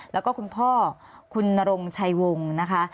แล้วก็คุณพ่อคุณนรงชัยวงศ์นะคะ